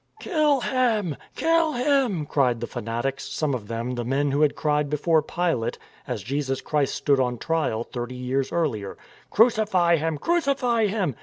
" Kill him ! Kill him," cried the fanatics, some of them the men who had cried before Pilate, as Jesus Christ stood on trial thirty years earlier, " Crucify him! Crucify him!"